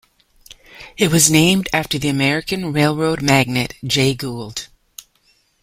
It was named after the American railroad magnate Jay Gould.